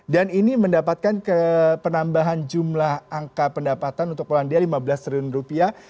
dan ini mendapatkan penambahan jumlah angka pendapatan untuk polandia lima belas triliun rupiah